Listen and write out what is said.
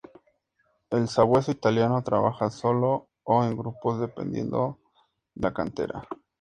El Sabueso Italiano trabaja solo o en grupos, dependiendo de la cantera.